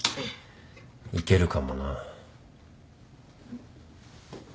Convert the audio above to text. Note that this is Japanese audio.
行けるかもな。